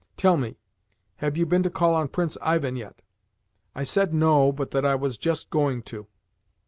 Tell me, have you been to call on Prince Ivan yet?" I said no, but that I was just going to.